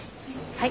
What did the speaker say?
はい！